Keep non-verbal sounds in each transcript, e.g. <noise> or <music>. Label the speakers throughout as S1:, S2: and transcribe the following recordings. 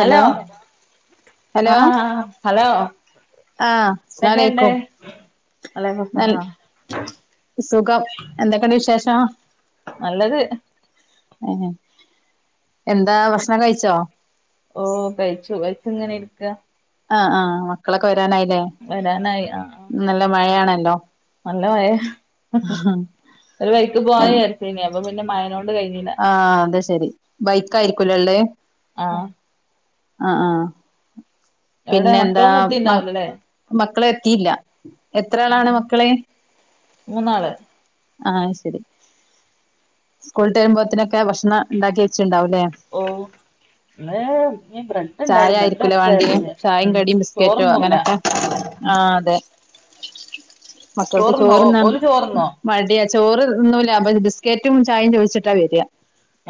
S1: Hello
S2: hello
S1: ആഹ് hello
S2: ആഹ്
S1: ന്തക്കെ ണ്ട്?
S2: അസ്സലാമലൈക്കും
S1: വഹലക്കു
S2: നൽ
S1: സ്ലാ
S2: സുഖം എന്തൊക്കെണ്ട് വിശേഷം?
S1: നല്ലത്
S2: ആ എന്താ ഭക്ഷണക്കെ കഴിച്ചോ?
S1: ഓ കഴിച്ചു കഴിച്ചങ്ങനെ ഇരിക്ക
S2: ആഹ് ആ മക്കളൊക്കെ വരാനായില്ലേ?
S1: വരാനായി ആഹ്
S2: നല്ല മഴയാണല്ലോ?
S1: നല്ല മയെ ഒരു വൈക്ക് പോവാ ചരിച്ചന അപ്പൊ പിന്നെ മയനോട്
S2: ആ അത് ശെരി ബൈക്ക് ആയിരിക്കലോള്ളേ.
S1: ആഹ്
S2: ആ ആ
S1: എവിടെ
S2: പിന്നെ എന്താ
S1: മക്കളൊന്നും
S2: മ
S1: എത്തിണ്ടാവൂലല്ലേ
S2: മക്കളെ എത്തിയില്ല എത്ര ആളാണ് മക്കള്
S1: മൂന്നാള്
S2: ആ ശരി സ്കൂൾ ഇട്ട് വരുമ്പ്പോത്തനൊക്കെ ഭക്ഷണം ഉണ്ടാക്കി വെച്ചട്ടണ്ടാവുംല്ലേ.
S1: ഓ <unintelligible> ഇണ്ടായിരുന്നു
S2: ചായ ആയിരിക്കൂലേ വാണ്ടിയെ
S1: ബ്രെഡ് <unintelligible>
S2: ചായിം
S1: ഉ
S2: കടിം
S1: ചോറ്
S2: ബിസ്ക്കറ്റോ
S1: ഉണ്ണൂല
S2: അങ്ങനൊക്കെ ആഹ് അതെ മക്കൾക്ക്
S1: ചോറുന്നോ
S2: ചോറ് ഉണ്ണാൻ
S1: ഓല് ചോറുന്നോ
S2: മടിയാ ചോറ് ഉണ്ണുല അപ്പ ബിസ്ക്കറ്റും ചായയും ചോദിച്ചിട്ടാ വരിക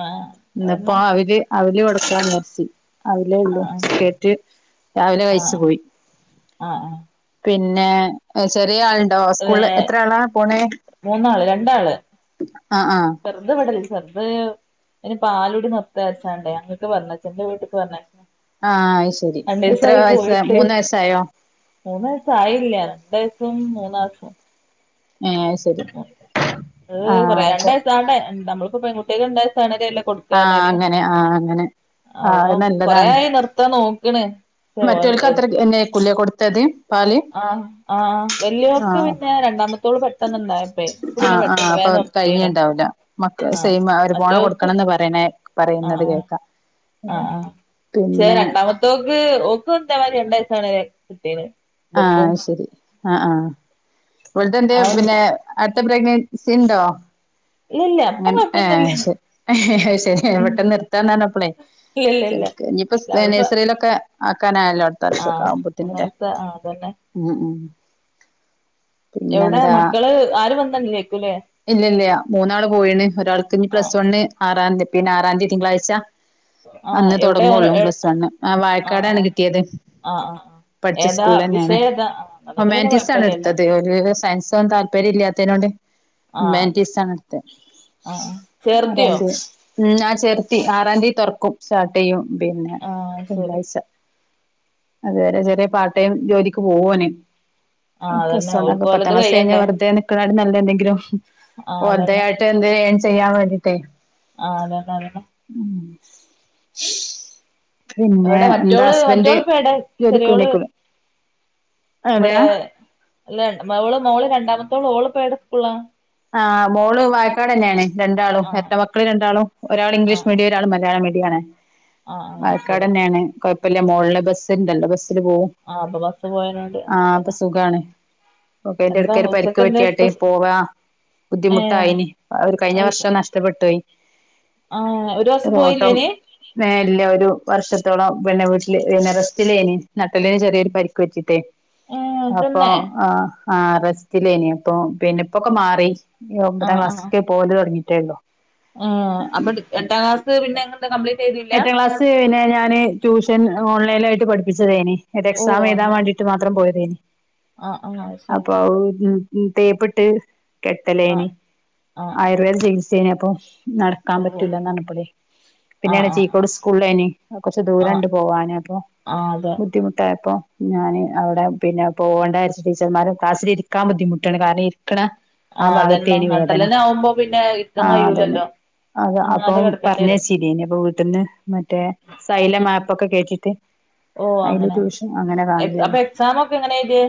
S1: ആഹ് അതന്നെ
S2: ഇന്നിപ്പോ അവല് അവല് കൊടുക്കാന്ന് വിചാരിച്ചു അവലേ ഉള്ളൂ
S1: ആഹ്
S2: ബിസ്കേറ്റ് രാവിലെ
S1: ആഹ്
S2: കഴിച്ചു
S1: ആഹ്
S2: പോയി
S1: ആഹ് ആഹ്
S2: പിന്നെ ചെറിയ ആളുണ്ടോ സ്കൂളില്
S1: ഏഹ്
S2: എത്രയാളാ പോണെ. ആ ആ
S1: ചെറ്ത് ഇവിടെ ഇല്ല ചെറുത് ഇ പാലൂടി നിർത്ത വച്ചാണ്ടേ ങ്ങട്ട് പറഞ്ഞയച്ച് എന്റെ വീട്ടിക്ക് പറഞയച്ച്
S2: ആ അത് ശരി എത്ര വയസ്സ മൂന്ന് വയസ്സായോ
S1: മൂന്ന് വയസ്സ് ആയില്ല രണ്ട് വയസും മൂന്ന് മാസവും
S2: ആ
S1: അത് കുറെ രണ്ട് വയസാവണ്ടേ നമ്മളിപ്പോ പെൺകുട്ടികൾക്ക് രണ്ട് വയസ് ആവണ വരെ ഉള്ളൂ
S2: ആ അങ്ങനെ ആ അങ്ങനെ. ആ അത്
S1: അവൻ കൊറേ
S2: നല്ലതാണ്
S1: ആയി നിർത്താൻ നോക്കണ് പക്ഷെ
S2: മറ്റവർക്ക്
S1: ഓൻ
S2: അത്ര തന്നെ ആരിക്കും അല്ലെ കൊടുത്തത് പാല്
S1: ആ ആ വല്യ വോർക്ക്
S2: ആഹ്
S1: പിന്നെ രണ്ടാമത്തെ തോള് പെട്ടെന്നുണ്ടായപ്പേ അപ്പ പിന്നെ
S2: ആഹ് ആഹ്
S1: പെട്ടെന്ന്
S2: അപ്പൊ
S1: വേഗം നിർത്തിയതാ
S2: കഴിഞ്ഞിണ്ടാവൂല
S1: ആ മറ്റോ
S2: <unintelligible> പറയണ പറയുന്നത് കേക്കാം
S1: ആ ആ ശേ
S2: പിന്നെ
S1: രണ്ടാമത്തെക്ക് ഓക്ക്ന്തേമാതിരി രണ്ട് വയസാണ് കിട്ടീത്
S2: ആ ശരി ആ ആ ഇപ്പഴത്തെ എന്റെ
S1: ആ
S2: പിന്നെ അടുത്ത പ്രെഗ്നൻസി ഉണ്ടോ
S1: ഇല്ലല്ല ഇപ്പൊ
S2: അങ്ങനെ ആ
S1: കൊഴപ്പൊന്നുല്ല
S2: ശ ശെ പെട്ടെന്ന് നിർത്താന്ന് പറഞ്ഞപ്പളെ
S1: ഇല്ലല്ല ഇല്ല
S2: ശ ഇനിയിപ്പ നഴ്സറിയിലൊക്കെ ആക്കാനായല്ലോ
S1: ആ
S2: വർഷൊക്കെ ആവുമ്പോത്തിനല്ലേ
S1: എന്നത്തെ ആ അതന്നെ
S2: ഉം ഉം
S1: എവിടെ
S2: പിന്നെന്താ
S1: മക്കള് ആര് പറഞ്ഞാലും കേക്കൂല്ലേ
S2: ഇല്ല ഇല്ല മൂന്നാള് പോയിണ് ഒരാൾക്ക് ഇനി
S1: ആഹ്
S2: പ്ലസ് വണ് ആറാം തീ പിന്നെ ആറാം തീയതി തിങ്കളാഴ്ച
S1: ആഹ്
S2: അന്ന്
S1: എവിടെ ഓന്
S2: തുടങ്ങുള്ളൂ
S1: ആഹ്
S2: പ്ലസ് വണ്ണ് ആ വായക്കാടാണ്
S1: ആഹ്
S2: കിട്ടിയത്
S1: ആഹ് ആഹ് ആഹ്
S2: പഠിച്ച സ്കു
S1: ഏതാ
S2: സ്കൂള് തന്നെയാണ്
S1: വിഷയം ഏതാ അതുകൊണ്ട് പിന്നെ
S2: ഹ്യുമാനിറ്റീസ് ആണ്
S1: കൊഴപ്പല്ലല്ലോ
S2: എടുത്തത് ഒരു വിധം സയൻസും ഒന്നും താല്പര്യം ഇല്ലാത്തോനെണ്ട്
S1: ആഹ് അതെ
S2: ഹ്യുമാനിറ്റിസാണ്
S1: ആഹ് ആഹ്
S2: എടുത്തെ ആറാൻ
S1: ചേർത്തിയോ
S2: തിയെ ഉ ഞാൻ ചേർത്തി ആറാം തിയെ തുറക്കും സ്റ്റാർട്ട് ചെയ്യും പിന്നെ
S1: ആഹ് ശരി
S2: തിങ്കളാഴ്ച അത് വേറെ ചെറിയ പാർട്ട് ടൈം ജോലിക്ക് പോവും ഓന് അപ്പൊ
S1: ആഹ്
S2: പ്ലസ്
S1: അതന്നെ
S2: വൺ ഒക്കെ
S1: ഓൽക്ക്
S2: പത്താം
S1: ഓലത്
S2: ക്ലാസ്സ്‌ കഴിഞ്ഞാ
S1: കഴിയണ്ടേ
S2: വെറുതെ മക്കളട് നല്ല എന്തെങ്കിലും
S1: ആഹ്
S2: ഒരദ്
S1: അതന്നെ
S2: ആയിട്ട് എന്തേലും ഏൺ ചെയ്യാൻ വേണ്ടിട്ടേ
S1: ആ അതെയതെ അതെതെ
S2: ഉ പിന്നെ
S1: ഇവിടെ
S2: എന്താ
S1: മറ്റോള്
S2: ഹസ്ബൻഡ്
S1: മറ്റോള് ഇപ്പ എടെ
S2: ജോലിക്ക് പോയിനെക്കിലെ
S1: ഇവിടെല്ല മോള് മോള് രണ്ടാമത്തോള് ഓള്പം ഏത് സ്കൂളിലാ
S2: ആ മോള് വായക്കാട് തന്നെയാണ് രണ്ടാളും
S1: ആഹ്
S2: എരട്ട മക്കള് രണ്ടാളും ഒരാൾ
S1: ആഹ്
S2: ഇംഗ്ലീഷ്
S1: ആഹ്
S2: മീഡിയം ഒരാൾ മലയാളം മീഡിയം ആണ്
S1: ആഹ് ആഹ്
S2: വായക്കാട്
S1: ശരി
S2: തന്നെയാണ് കൊഴപ്പല്ല മോളിലെ ബസ്സുണ്ടല്ലോ ബസ്സില് പോവും
S1: ആ അപ്പൊ ബസ് പോയനേണ്ട് ആ
S2: അപ്പൊ
S1: അതന്നെ
S2: സുഖാണ് ഓക്കെ അതിന്റെ
S1: എന്താ
S2: ഇടയ്ക്ക് ഒരു പരിക്ക്
S1: ഉച്ചക്കന്നെ
S2: പറ്റിയാട്ട്
S1: സ്പെ
S2: പോവാ ബുദ്ധിമുട്ടായിന് ഒരു കഴിഞ്ഞ വർഷം നഷ്ടപ്പെട്ടുപോയി
S1: ആ ഒരു വർഷം പോയില്ലേനി
S2: ഏ ഇല്ല ഒരു വർഷത്തോളം പിന്നെ വീട്ടില് പിന്നെ റസ്റ്റിലേനി നട്ടല്ലിന് ചെറിയൊരു പരിക്ക് പറ്റിട്ടേ
S1: ഏഹ്
S2: അപ്പൊ
S1: തന്നെ
S2: അ ആ റസ്റ്റിലേനി അപ്പൊ പിന്നെ ഇപ്പൊക്കെ മാറി. ഈ ഒമ്പതാം ക്ലാസ്ക്ക് പോൽ തൊടങ്ങീട്ടേള്ളു.
S1: ഹേ അപ്പൊ എട്ടാം ക്ലാസ് പിന്നെ ഇങ്ങ എന്താ കംപ്ലീറ്റ് ചെയ്തില്ല.
S2: <unintelligible> പിന്നെ ഞാൻ ട്യൂഷൻ ഓൺലൈലായിട്ട് പഠപ്പിച്ചതലെനി
S1: ഓ
S2: എക്സാം എഴുതാൻ
S1: അങ്ങനെ
S2: വാണ്ടീ മാത്രം പോയതേനി
S1: ആഹ് ആഹ്
S2: അപ്പൊ
S1: ശരി
S2: ഉ മ് മ് തേപ്പിട്ട്
S1: ആഹ്
S2: കെട്ടലേനി
S1: ആഹ് ആഹ്
S2: ആയുർവേദ
S1: ആഹ്
S2: ചികിത്സേനി അപ്പൊ നടക്കാൻ
S1: ഓ
S2: പറ്റൂല ന്ന ർഞ്ഞപ്പളെ
S1: ആഹ്
S2: പിന്നെയാണ്
S1: ആഹ്
S2: ചീക്കോട്
S1: ആഹ്
S2: സ്കൂളേനി അ കൊറച്ച്
S1: ആഹ്
S2: ദൂരണ്ട് പോവാന് അപ്പൊ
S1: ആഹ് അതെ
S2: ബുദ്ധിമുട്ടായപ്പോ ഞാൻ അവിടെ പിന്നെ പോവ ണ്ടായിരിച്ച് ടീച്ചർമാരും ക്ലാസ്സിൽ ഇരിക്കാൻ ബുദ്ധിമുട്ടാണ് കാരണം ഇരിക്കണ ആ
S1: ആഹ് അതന്നെ
S2: ഭാഗത്തേനി വേദന
S1: നട്ടലിന് ആവുമ്പോ പിന്നെ ഇരിക്കാൻ
S2: ആഹ അതന്നെ
S1: കഴിയൂലല്ലോ
S2: അത് അപ്പൊ
S1: അനങ്ങാതെ കിടക്കേണ്ടി വരും
S2: പറഞായച്ചിനി അപ്പൊ വീട്ട്ന്ന് മറ്റേ തൈലം ആപ്പ് ഒക്കെ കേറ്റീട്ട്
S1: ഓ അങ്ങനെ എക് അപ്പൊ
S2: കാണലേനി
S1: എക്സാം ഒക്കെ എങ്ങനെ എഴുതേ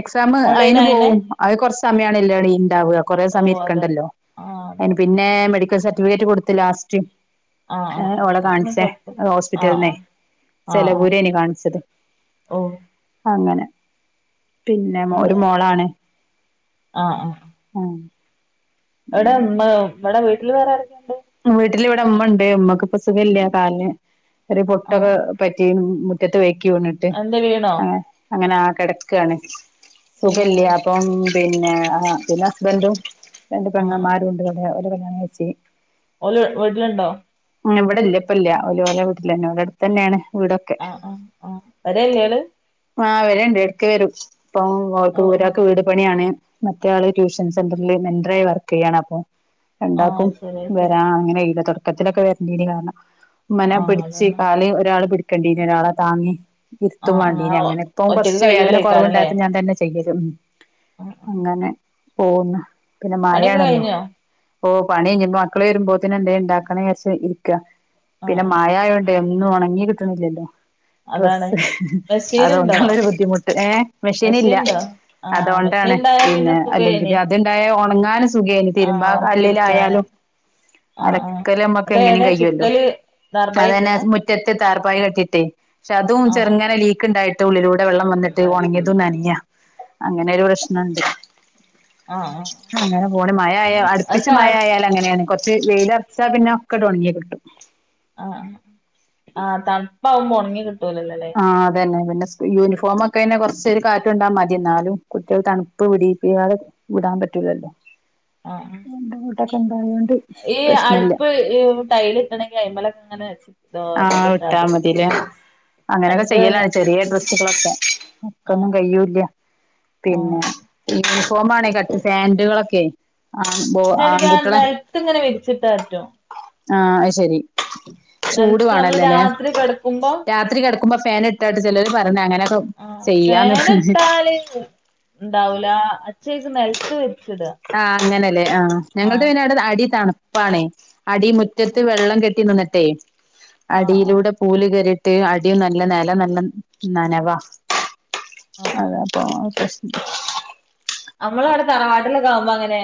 S2: എക്സാം അയിന് പോവും അഹ് കൊർച്ച് സമയാണ് എല്ലടി ഇണ്ടാവുവ കൊറെ
S1: ഓ
S2: സമയം
S1: അതെ
S2: ഇരിക്കണ്ടല്ലോ
S1: ആഹ് അതെ
S2: അയിന് പിന്നേ മെഡിക്കൽ സർട്ടിഫിക്കറ്റ് കൊടുത്ത് ലാസ്റ്റ്.
S1: ആഹ്
S2: ഏ
S1: ആഹ് ആഹ്
S2: ഓളെ
S1: എന്നാ പിന്നെ
S2: കാണിച്ചെ
S1: കൊഴപ്പല്ല ആഹ്
S2: ഹോസ്പിറ്റല്ന്ന്
S1: ആഹ് ആഹ്
S2: സെലപൂരേനി കാണിച്ചത്.
S1: ആഹ് ഓ
S2: അങ്ങനെ പിന്നെ മ് മോ ഒരു മോളാണ്.
S1: ആഹ് ആഹ്
S2: ആഹ്
S1: എവിടെ ഇമ്മ വിടെ വീട്ടിൽ വേറെ ആരൊക്കെണ്ട്.
S2: വീട്ടിൽ ഇവിടെ മ്മണ്ട് മ്മക്ക് ഇപ്പൊ സുഖല്ല്യ കാൽന് ഒരു
S1: ആഹ്
S2: പൊട്ടൊക്കെ
S1: ആഹ്
S2: പറ്റി മ് മ് മുറ്റത്ത് വൈക്കി വീണിട്ട്
S1: എന്തേ വീണോ
S2: ഏഹ് അങ്ങനാ കെടക്കാണ്.
S1: ഓ
S2: സുഖല്ല്യാ അപ്പം
S1: ശരി
S2: പിന്നെ അ പിന്നെ ഹസ്ബന്റും രണ്ട്
S1: ആഹ് ആഹ്
S2: പെങ്ങമ്മാരും ണ്ട് വ്ടെ ഒരെ കല്യാണം കഴ്‌ച്ച്.
S1: ഓല് വീട്ടിലുണ്ടോ?
S2: ഏ ഇവിടെ ഇല്ല ഇപ്പ ഇല്ല ഓൽ ഓലെ വീട്ടിലന്നെ ഓൽ എട്തന്നേണ്.
S1: ആഹ ആഹ് ആഹ് വരല്ല്യോല്
S2: ആഹ് വരണ്ട് എട്ക്ക് വരും ഇപ്പം ഓൾക്ക്
S1: ഓ
S2: വീ
S1: ഓ
S2: ഒരാൾക്ക് വീട്. പണിയാണ് മറ്റേ ആള് ട്യൂഷൻ സെന്ററിൽല് മെന്ററായി വർക്ക് ചെയ്യാണ് അപ്പോം.
S1: ആഹ്
S2: രണ്ടാക്കും
S1: ശരി ശരി
S2: വരാ അങ്ങനെയ്യൂല തുടക്കത്തിലൊക്കെ വരണ്ടീന് കാരണം. മ്മന
S1: ആഹ്
S2: പിടിച്ച്
S1: അതന്നെ
S2: കാല് ഒരാൾ പിടിക്കേണ്ടീനി ഒരാളെ താങ്ങി ഇരുത്തും വാ.
S1: ആഹ്
S2: പിന്നെ
S1: ആഹ്
S2: അങ്ങനെപ്പം
S1: ഒറ്റക്ക്
S2: കൊർച്ച്‌ വേദന
S1: കയ്യൂലേക്കാരല്ലേ
S2: കൊറവുണ്ടായപ്പം ഞാൻ തന്നെ ചെ. <unintelligible>
S1: ആഹ് ആഹ്
S2: അങ്ങനെ പോവ്ന്ന് പിന്നെ
S1: പണിയൊക്കെ
S2: മഴേണല്ലോ.
S1: കഴിഞ്ഞോ
S2: ഓ പണയ്ഞ് ഞ്പ്പ മക്കള് വരുമ്പോത്തിന്ന് എന്തേ ണ്ടാക്കണേ ചാരിച് ഇരിക്ക.
S1: ആഹ്
S2: പിന്നെ
S1: ആഹ് ആഹ്
S2: മഴായോണ്ട് ഒന്നും ഉണങ്ങി കിട്ട്ണില്ലല്ലോ
S1: അതാണ്
S2: ഡ്രസ്സ്.
S1: മെഷീനുണ്ടോ
S2: അതോണ്ടാണൊരു ബുദ്ധിമുട്ട് ഏഹ് മെഷീനില്ല
S1: മെഷീനുണ്ടോ ആഹ്
S2: അതോണ്ടാണ്
S1: മെഷീനുണ്ടായാ
S2: പിന്നെ അല്ലെങ്കില്
S1: സുഖേനി
S2: അ. അത്ണ്ടായ ഉണങ്ങാനും സുഖേനിം
S1: ആഹ്
S2: തിരുമ്പാ
S1: ഒണക്കിയെടുക്കാന്
S2: കല്ലിലായാലും.
S1: ആഹ് ആഹ്
S2: അലക്കൽ അമ്മക്ക്
S1: അത്
S2: എങ്ങനും
S1: ഏടെ
S2: കഴിയൊല്ലൊ
S1: ചിക്കല്
S2: അത്
S1: ദർബായി
S2: തന്നെ
S1: ഇട്ടതാ
S2: മു റ്റത്ത് താർപ്പായ കെട്ടിട്ടെ പക്ഷെ അതും
S1: ആഹ്
S2: ചെറുങ്ങനെ ലീ. ക്ക് ണ്ടായിട്ട് ഉള്ളിലൂടെ വെള്ളം വന്നിട്ട് ഉണങ്ങിയതും നനയ്യ അങ്ങനൊരു പ്രശ്നണ്ട്.
S1: ആഹ് ആഹ്
S2: അങ്ങനെ പോണ് മഴ ആയാ
S1: അത്
S2: അടുപ്പിച്ച്
S1: കാ
S2: മഴ ആയാൽ അങ്ങനെയാണ് കൊർ. ച്ച് വെയിലർച്ച പിന്നെ ഒക്കെങ്ങട്ട് ഒണങ്ങിക്കിട്ടും.
S1: ആഹ് ആഹ് തണുപ്പാകുമ്പ ഉണങ്ങി കിട്ടൂലല്ലോ ല്ലേ.
S2: ആ അതന്നെ പിന്നെ യൂണിഫോം ഒക്കെ തന്നെ കൊറച്ചൊരു കാറ്റൊണ്ടാ മതി ന്നാലും കുട്ടികൾ തണുപ്പ് വിടിപ്പികാതെ വിടാൻ പറ്റൂലല്ലോ
S1: ആഹ് ആഹ്
S2: രണ്ട് കൂട്ടൊക്കെ ഉണ്ടായൊണ്ട് പ്രശ്നല്ല
S1: ട്ടൈലിട്ടണെങ്കി അയ്മലൊങ്ങെനെ വെച്ച്
S2: ആഹ് വിട്ടാ മതിലേ. അങ്ങനെയൊക്കെ
S1: അടുപ്പ്
S2: ചെയ്യലാണ് ചെറിയ ഡ്രസ്സുകളൊക്കെ ഒക്ക
S1: ആഹ്
S2: ഒന്നും കയ്യൂല്യ.
S1: ആഹ്
S2: എ യൂണിഫോം ആണെ കട്ട് ഫാന്റുകളൊക്കെ. ആ മ് ബോ
S1: പിന്നെ എടക്ക്
S2: ആൺകുട്ടികളെ
S1: നെലത്ത് ഇങ്ങനെ വിരിച്ചിട്ടാ പറ്റും
S2: ആഹ അയ്ശരി. ചൂട്
S1: നെലത്ത് നമ്മള്
S2: വാണല്ലോല്ലേ
S1: രാത്രി കെടക്കുമ്പോ
S2: രാത്രി കിടക്കുമ്പോ ഫാൻ ഇട്ടാട്ട് ചിലോർ പർഞ്ഞ
S1: ആ ഫേന് ഇട്ടാല് ണ്ടാവൂല അച്ചേക്ക് നെൽത്ത് വരിച്ച് ടാ
S2: ആഹ് അങ്ങനെല്ലേ ആ ഞങ്ങൾ തെ പിന്നട് അടി തണുപ്പാണേ അടി മുറ്റത്ത് വെള്ളം കെട്ടി നിന്ന്ട്ടെ
S1: ആഹ് ആഹ്
S2: അടിയിലൂടെ പൂല് കയറിട്ട് അടിയും നല്ല നെലം നല്ല നനവാ
S1: ആഹ് ആഹ്
S2: അത <unintelligible>
S1: നമ്മള അവിടെ തറവാട്ടിലൊക്കെ ആകുമ്പോ അങ്ങനെ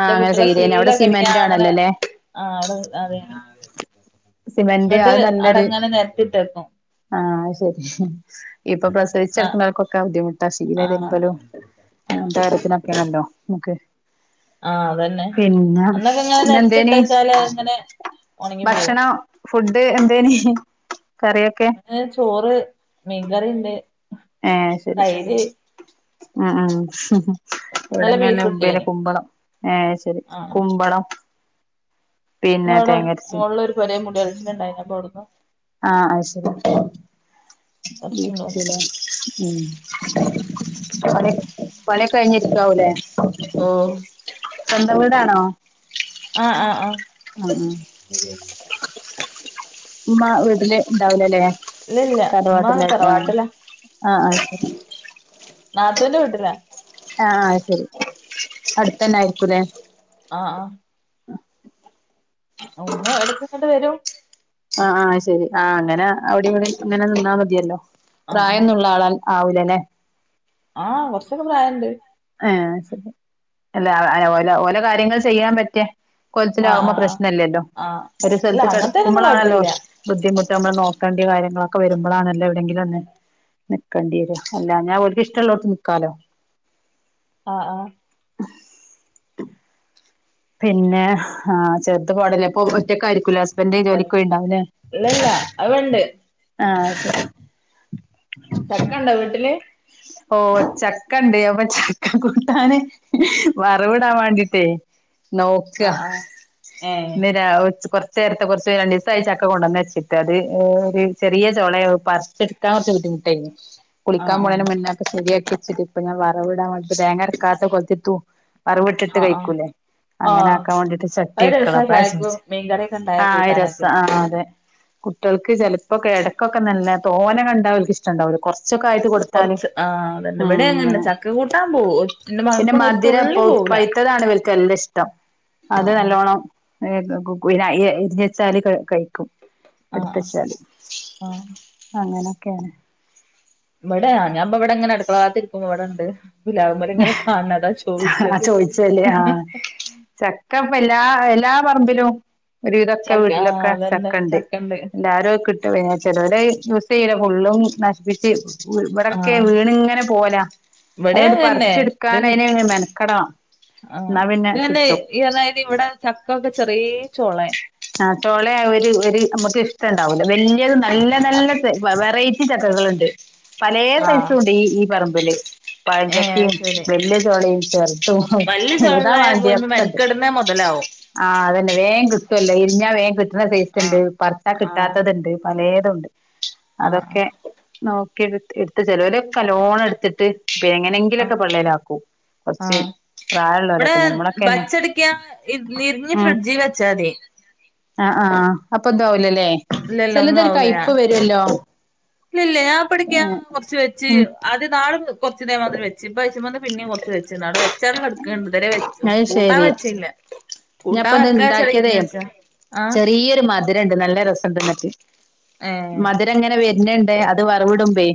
S2: ആഹ് അങ്ങനെ
S1: കുട്ടികളെ
S2: ചെയ്തേന് അവിടെ
S1: ശീലൊക്കെ അടിക്കാൻ
S2: സിമെന്റ്
S1: അങ്ങനെ
S2: ആണല്ലോല്ലേ
S1: ആ അവിടെ അത
S2: സിമെന്റ്
S1: എന്നിട്ട് അടങ്ങനെ നിരത്തിട്ടേക്കും
S2: ആഹ ശരി ഇപ്പൊ പ്രസവിച്ച
S1: ആഹ്
S2: ട്ക്ക്ണോൽക്കൊക്കെ ബുദ്ധിമുട്ട ശീല
S1: ആഹ്
S2: തിര്മ്പലും
S1: ആഹ്
S2: <unintelligible> ക്ക്
S1: ആഹ് അതന്നെ
S2: പിന്നെ
S1: അന്നൊക്കെ
S2: ഇന്ന എന്തേനി
S1: ഉണങ്ങി പോ
S2: ഭക്ഷണം ഫുഡ് എന്തേനി കറിയൊക്കെ
S1: ഏ ചോറ് മീകറിണ്ട്
S2: ഏ ശരി അ ആ
S1: ഇന്നലെ ബീഫ്
S2: എവിടെങ്ങന്നെ ഉന്നെ
S1: കിട്ടീന്
S2: കുമ്പളം ഏ ശരി
S1: ആഹ്
S2: കുമ്പളം
S1: അ
S2: പിന്നെ
S1: അവിടെ
S2: തേങ്ങരച്ചി
S1: മോളിൽ ഒരു പൊരേ മുടികളിച്ചിൽണ്ടായിനി അപ്പം അവിടുന്നു
S2: ആഹ അത് ശരി
S1: കൊറച്ച്ണ്ടോന്ന്
S2: ഉം പണി പണിയൊക്കെ കഴിഞ്ഞിരിക്കാവൂലേ.
S1: ആഹ്
S2: സ്വന്തം വീടാണോ?
S1: ആഹ് ആഹ് ആഹ്
S2: ഇമ്മ വീട്ടില് ഉണ്ടാവുലേ.
S1: ഇല്ലല്ല ഉമ്മ
S2: തലവാട്ടിലാക്കാ
S1: തറവാട്ടിലാ
S2: ആഹ് ആഹ്
S1: നാത്തൂന്റെ വീട്ടിലാ
S2: ആഹ് ആഹ് അഹ് സരി. അടുത്തന്നെ ആയിര്ക്കുലെ?
S1: ആഹ് ആഹ് ഒന്ന് എടക്ങ്ങട്ട് വരും.
S2: ആഹ് ആഹ് അഹ്ശരി. ആ അങ്ങനെ അവ്ടിം വെടിം ഇങ്ങനെ നിന്നാ മതിയല്ലോ.
S1: ആഹ് ആഹ്
S2: പ്രായംന്നുള്ള ആളാ ആവൂലലെ
S1: ആഹ് കുറച്ചൊക്കെ പ്രായണ്ട്.
S2: ഏഹ് അഹ് ശരി. അല്ല <unintelligible> ഓല ഓല കാര്യങ്ങൾ ചെയ്യാൻ പറ്റ്യ
S1: ആഹ്
S2: കോലത്തിലാവുമ്പോ
S1: ആഹ് ആഹ്
S2: പ്രശ്നല്ലല്ലോ.
S1: ആഹ്
S2: ഒരു
S1: ഇല്ല
S2: സ്ഥലത്ത്
S1: അങ്ങനത്തേനൊന്നും
S2: കെട്ക്കുമ്പളാണല്ലോ.
S1: കൊഴപ്പല്ല
S2: ബുദ്ധിമുട്ട് നമ്മൾ നോക്കണ്ട്യ കാര്യങ്ങളൊക്കെ വരുമ്പളാണല്ലോ എവിടെങ്കിലൊന്ന് നിക്കണ്ട്യേരാ. അല്ലാഞ്ഞാ ഓൽക്ക് ഇഷ്ടള്ളോട്ത്ത് നിക്കാലോ.
S1: ആഹ് ആഹ്
S2: പിന്നെ ആഹ് ചെർത്പവ്ടല്ലെ ഇപ്പൊ ഒ റ്റക്കായിരിക്കൂല്ലേ ഹസ്ബൻഡ്
S1: ആഹ്
S2: ജോലിക്കോയിണ്ടാവൂല്ലേ
S1: ഇല്ലല്ല അത്ണ്ട്
S2: ആഹ് അഹ് ശ
S1: ചക്കണ്ടോ വീട്ടില്?
S2: ഓഹ് ചക്കണ്ട്. അപ്പൊ ചക്ക കൂട്ടാന് വറവിടാൻ വാണ്ടിട്ടേ നോക്കാ.
S1: ആഹ് ആഹ് ഏഹ്
S2: ഇന്ന് രാവ് ച്ച് കൊർ ച്ചേരത്തെ. കൊർച്ച് രണ്ടീസായി ചക്ക കൊണ്ടന്നച്ചിട്ട് അത് ഓ ര് ചെറിയ ചൊളെ അഹ് പറിച്ട്ക്കാൻ കൊർച്ച് ബുദ്ധിമുട്ടേനി.
S1: ആഹ്
S2: കുളിക്കാൻ
S1: ആഹ്
S2: പോണേന് മുന്നേ അഒക്കെ സരിയാക്കി വച്ചിട്ട് ഇപ്പൊ ഞാൻ വറവിടാൻ വേണ്ടീട്ട് തേങ്ങര കാത്ത കോൽത്തിതൂ വറവിട്ടിട്ട്
S1: ആഹ് ആഹ്
S2: കയ്ക്കൂലെ.
S1: ആഹ്
S2: അങ്ങനാക്കാൻ വേണ്ടിട്ട് ചട്ടി
S1: അത്
S2: വെക്കള
S1: രസാ ചായക്കും
S2: <unintelligible>
S1: മീൻകറിയൊക്കെ ഉണ്ടായ
S2: ആഹ് അത് രസ
S1: കൂട്ടാനൊക്കെ
S2: ആഹ് അതെ കുട്ടിയേൾക്ക് ചെലപ്പൊക്കെ എടക്കൊക്കെ നല്ല തോനെ കണ്ടാ ഓൽക്ക് ഇഷ്ടണ്ടാവൂല്ല. കുറച്ചൊക്കെ ആയിട്ട് കൊടുത്താല്
S1: കൊറച്ച് ആഹ് അതന്നെ
S2: ഉം
S1: ഇവിടെ അങ്ങനന്നെ
S2: അങ്ങനെ
S1: ചക്ക കൂട്ടാൻ പോും ഇന്റെ മകക്കൊന്നും തുള്ളി പോകൂല
S2: താണ് വൽക്കല്ലാം ഇഷ്ടം അത്
S1: ആഹ്
S2: നല്ലോണ്ണം <unintelligible> ഇരി ഞ്ഞു വെച്ചാല് കയി ക്കും ഇട് ത്ത്
S1: ആഹ്
S2: വെ
S1: ആഹ്
S2: ച്ചാൽ
S1: ആഹ്
S2: അങ്ങനൊക്കെ
S1: ഇവ് ടെ ഞാ ൻപ്പ വിടെ ഇ ങ്ങനെ അടുക്കളവാത്ത് ഇരിക്കുമ്പോ ഇവിടെണ്ട് പിലാവ് മൽങ്ങനെ കാ ണ് ണതാ ചോയി
S2: ആ
S1: ച്ചത്
S2: പ്പോ എല്ലാ എല്ലാ പറമ്പിലും ഒരു വിതൊക്കെ
S1: ചക്ക ആഹ്
S2: വീട്ടിലൊക്കെ
S1: അതന്നെ
S2: ചക്ക ണ്ട്
S1: ചക്കണ്ട്
S2: എല്ലാരും അത് കി <unintelligible> ചെലോര് യൂസ് യൂ ല ഫുള്ളും നശ് പ്പിച്ച് ഇവടൊ ക്കെ
S1: ആഹ്
S2: വീണ്ങ്ങനെ പോവലാ
S1: ഇവിടെ
S2: അത് പറി
S1: അങ്ങന്നെ
S2: ച്ചെട്
S1: ഇത്
S2: ക്കാൻഅയിന് മെനക്കട ണം ന്നാ പിന്നെ കിട്ടും
S1: <unintelligible> ഇവടെ ചക്ക ഒക്കെ ചെറ്യേ ചൊ ളെ
S2: നാ റ്റോളെ ഒരു ഒരു നമക്ക് ണ്ടാവൂ ല്ല വല്യ ത് നല്ല നല്ല വെ വെറൈറ്റി ചക്കകളു ണ്ട് പലെ
S1: ആഹ്
S2: സൈസുണ്ട് ഈ ഈ പറമ്പില്
S1: ഏഹ്
S2: പഴംചക്കീം
S1: ശരി
S2: വല്ല്യ ചോളീം ചെ ർ ശോ
S1: വല്യ ചോളയായ
S2: ഏതാവാണ്ടിയെ
S1: പോയ്മ
S2: ഒക്കണ്ട്
S1: മെനക്കെടുന്നേ മൊതലാവും
S2: ആഹ് അതന്നെ വേ കി ഇല്ല ഇരിഞ്ഞാ വേഗം കിട്ടുന്ന സൈസ് ഉണ്ട്
S1: ആഹ്
S2: പർചാ
S1: ആഹ്
S2: കിട്ടാത്തത്ണ്ട് പലെതുണ്ട്
S1: ആഹ്
S2: അതൊക്കെ, നോക്കി എട്ത് എട്ത്ത് ചേലോൽ കല്ലോണംട്ത്ത്ട്ട് പെ
S1: ആഹ്
S2: എങ്ങനെങ്കിലൊക്കെ
S1: ആഹ്
S2: പള്ളലാക്കും
S1: ആഹ് ഇവിടെ
S2: ഞമ്മളൊക്കെന്നെ
S1: വച്ചടിക്ക നി നിരിഞ്ഞ്
S2: ഉം
S1: ഫ്രിഡ്ജി വെച്ചാതി
S2: ആഹ്, ആഹ്, ആഹ് അപ്പൊതാവൂലലേ.
S1: ഒന്നും
S2: ചെലതൊരു
S1: ആവൂല
S2: കയിപ്
S1: ഞാൻ
S2: വെരൊല്ലോ.
S1: ഇല്ലല്ല ഞാൻ പിടിക്കാ കുറച്ച് വെച്ച്
S2: ഉം
S1: ആദ്യ നാ കൊറച്ചു തേമാതിരി വെച്ച് ഇപ്പ ച്ച് മന്ന് പിന്നെ കുറച്ച് വെച്ച് അടെ വെച്ചാടുക്ക്ണ് ഇതരെ വെ
S2: അത്
S1: കൂട്ടാൻ
S2: ശരി
S1: വെച്ചല്ല കൂട്ടാൻ
S2: ഞാൻപ്പ
S1: വെക്കാച്ചടെ ഇര്ഞ്ഞെച്ച. ആഹ്.
S2: ഈയൊരു മര മധുരണ്ട് നല്ല രസണ്ട് ന്നിട്ട്
S1: ഏഹ്
S2: മധുരങ്ങനെ വരുണണ്ട് അത് വറവിടമ്പേ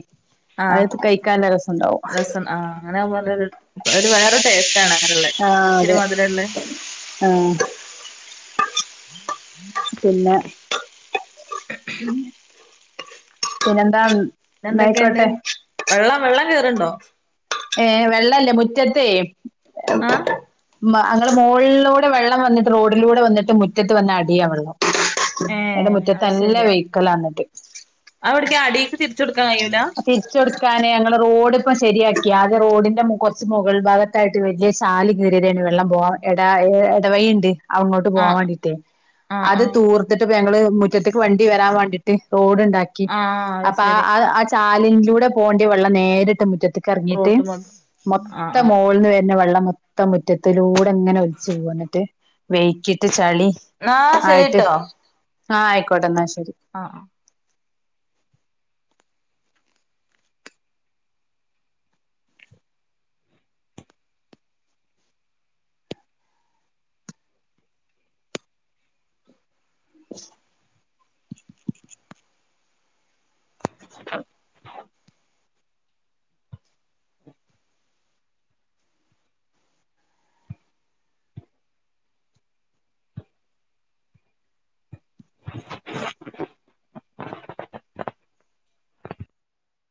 S2: അഎട്ത്ത് കയിക്കാല്ല രസണ്ടാവും. <unintelligible>
S1: ആഹ് അങ്ങനെ <unintelligible> ഒരു വെറെ ടേസ്റ്റ് ആണ് അങ്ങനള്ളെ
S2: ആഹ്
S1: ഇച്ചിരി
S2: അതെ
S1: മധുരള്ളെ
S2: ആഹ്. പിന്നെ ഉം പിന്നെന്താ
S1: ന്നെന്തൊക്കേണ്ട്.
S2: ന്നായിക്കോട്ടെ
S1: വെള്ളം വെള്ളം കേറ്ണ്ടോ?
S2: ഏഹ്, വെള്ളല്ലേ മുറ്റത്തെയ്
S1: ആഹ്
S2: മ അങ്ങള് മോൾളൂടെ വെള്ളം വന്നിട്ട് റോഡിലൂടെ വന്നിട്ട് മുറ്റത്ത് വന്ന് അടിയ വെള്ളം.
S1: ഏ
S2: എന്റെ മുറ്റത് ന്നല്ല വെഹിക്കലാന്നിട്ട്
S1: അവിട്ക്ക് അടീക്ക് തിരിച്ച് കൊടുക്കാ കയൂല്ല
S2: തിരിച് കൊടുക്കാന് ഞങ്ങള് റോഡ് ഇപ്പ ശരിയാക്കി ആദ്യ റോഡിന്റെ കുറച്ച് മുകൾ ഭാഗ ട്ടായിട്ട് വല്യ സാല് കിറിയതെന് വെള്ളം പോവാം എട എടവയിണ്ട് അങ്ങോട്ട്
S1: ആ
S2: പോവാണ്ടിട്ടേ,
S1: ആ ആ
S2: അത് തൂർ ട്ട്പ്പ ഞങ്ങള് മുറ്റത്ത്ക്ക് വണ്ടി വെരാൻ വാണ്ടിട്ട് റോഡ്ണ്ടാക്കി.
S1: ആ അത്
S2: അപ്പാ
S1: ശരി
S2: ആ ആ ആ ചാലിൻലൂടെ പോണ്ട്യെ വെള്ളം നേരിട്ട് മുറ്റത്ത് ക്കെർങ്ങിട്ട്,
S1: റോട്ടുമ്മക്ക് ആ
S2: മൊത്തം
S1: ആ ആ
S2: മോൾന്ന് വെര്നെ വെള്ളം മൊത്തം മു മുറ്റത്തിലൂടെങ്ങനെ ഒലിച്ച് പോന്നിട്ട്, വെയ്ക്കിട്ട് ചളി
S1: ന്നാഹ് ശരിട്ടോ
S2: ആഹ്, ആയിക്കോട്ടെ ന്നാ ശെരി.
S1: ആഹ്
S2: <inaudible>
S1: <inaudible> <inaudible>